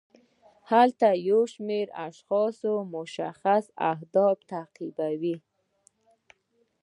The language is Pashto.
هلته یو شمیر اشخاص مشخص اهداف تعقیبوي.